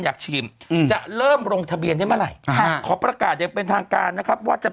อยากชิมจะเริ่มลงทะเบียนได้เมื่อไหร่ขอประกาศอย่างเป็นทางการนะครับว่าจะ